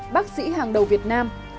bác sĩ hàng đầu việt nam